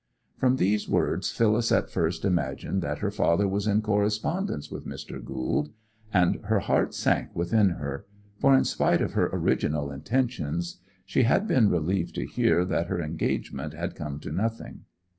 From these words Phyllis at first imagined that her father was in correspondence with Mr. Gould; and her heart sank within her; for in spite of her original intentions she had been relieved to hear that her engagement had come to nothing.